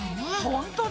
ほんとだ！